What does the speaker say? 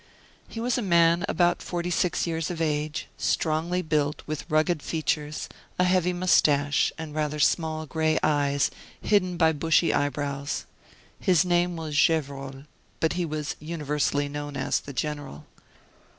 He was a man about forty six years of age, strongly built, with rugged features, a heavy mustache, and rather small, gray eyes, hidden by bushy eyebrows. His name was Gevrol, but he was universally known as "the General."